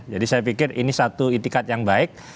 jadi saya pikir ini satu itikat yang baik